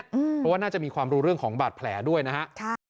เพราะว่าน่าจะมีความรู้เรื่องของบาดแผลด้วยนะฮะ